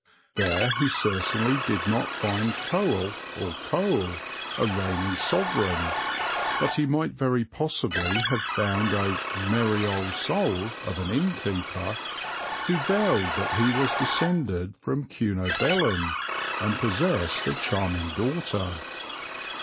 There he certainly did not find Coel, or Cole, a reigning sovereign, but he might very possibly have found a "merry old soul" of an innkeeper, who vowed that he was descended from Cunobelin, and possessed a charming daughter.